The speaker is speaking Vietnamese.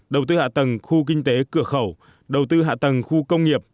đầu tư hạ tầng khu kinh tế cửa khẩu đầu tư hạ tầng khu công nghiệp